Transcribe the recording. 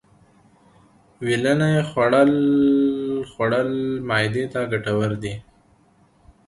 ویلنی خوړل خوړل معدې ته گټور دي.